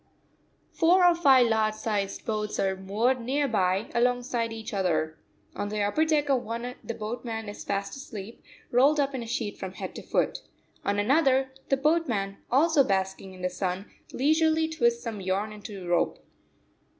Four or five large sized boats are moored near by, alongside each other. On the upper deck of one the boatman is fast asleep, rolled up in a sheet from head to foot. On another, the boatman also basking in the sun leisurely twists some yarn into rope.